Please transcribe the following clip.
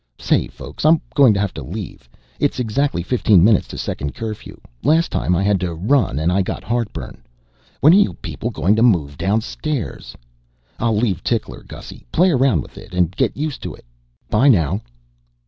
"Say, folks, I'm going to have to be leaving. It's exactly fifteen minutes to Second Curfew. Last time I had to run and I got heartburn. When are you people going to move downstairs? I'll leave Tickler, Gussy. Play around with it and get used to it. 'By now."